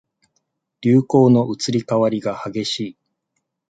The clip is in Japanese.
流行の移り変わりが激しい